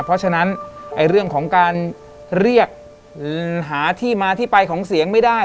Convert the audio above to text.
เพราะฉะนั้นเรื่องของการเรียกหาที่มาที่ไปของเสียงไม่ได้